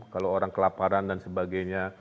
kalau orang kelaparan dan sebagainya